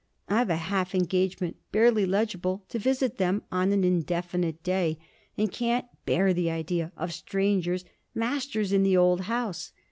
I've a half engagement, barely legible, to visit them on an indefinite day, and can't bear the idea of strangers masters in the old house.